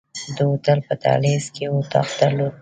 د هوټل په دهلیز کې یې اتاق درلود.